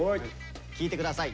聴いてください。